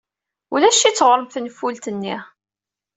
Ulac-itt ɣer-m tenfult-nni.